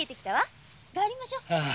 さ帰りましょう。